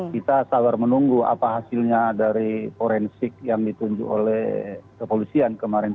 kita sabar menunggu apa hasilnya dari forensik yang ditunjuk oleh kepolisian kemarin